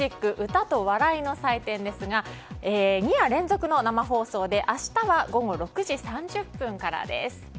歌と笑いの祭典」は２夜連続の生放送で明日は午後６時３０分からです。